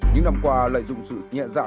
những năm qua lợi dụng sự nhẹ dạ